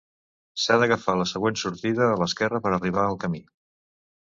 S'ha d'agafar la següent sortida a l'esquerra per arribar al camí.